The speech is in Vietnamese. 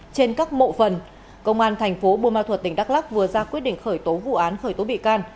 trên các mộ phần công an tp buôn ma thuật tỉnh đắk lắc vừa ra quyết định khởi tố vụ án khởi tố bị can